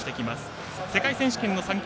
世界選手権の参加